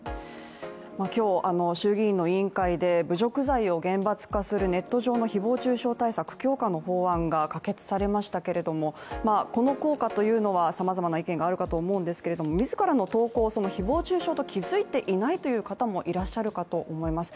今日、衆議院の委員会で侮辱罪を厳罰化するネット上の誹謗中傷対策の強化の法案が可決されましたけどもこの効果というのはさまざまな意見があるかと思うんですけれども、自らの投稿を誹謗中傷と気づいていない方もいらっしゃると思います。